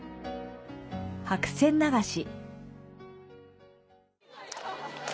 白線流し。